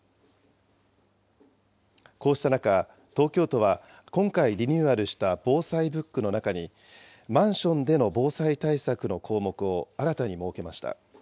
こうした中、東京都は、今回、リニューアルした防災ブックの中に、マンションでの防災対策の項目を新たに設けました。